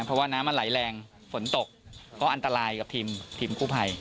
เพราะว่าน้ำมันไหลแรงฝนตกก็อันตรายกับทีมกู้ภัย